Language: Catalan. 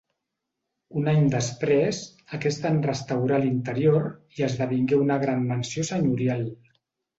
Un any després, aquest en restaurà l'interior i esdevingué una gran mansió senyorial.